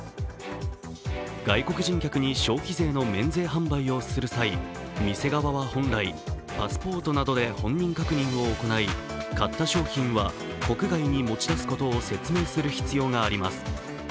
外国人客に消費税の免税販売をする際、店側は本来、パスポートなどで本人確認を行い買った商品は国外に持ち出すことを説明する必要があります。